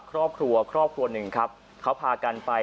ครอบครัวครอบครัวหนึ่งครับเขาพากันไป